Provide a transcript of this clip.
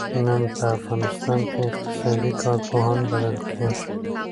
نن په افغانستان کې اقتصادي کارپوهان بلل کېږي.